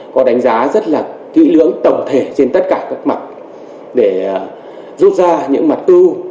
có đánh giá rất là kỹ lưỡng tổng thể trên tất cả các mặt để rút ra những mặt câu